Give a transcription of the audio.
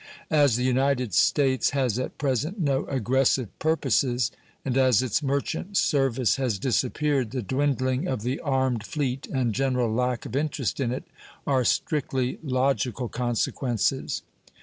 As the United States has at present no aggressive purposes, and as its merchant service has disappeared, the dwindling of the armed fleet and general lack of interest in it are strictly logical consequences.